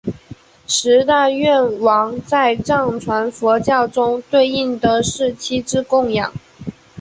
十大愿王在藏传佛教中对应的是七支供养。